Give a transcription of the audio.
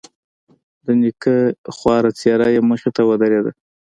د نيکه خواره څېره يې مخې ته ودرېدله.